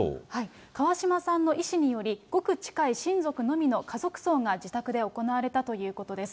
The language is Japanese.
川嶋さんの遺志により、ごく近い親族のみの家族葬が自宅で行われたということです。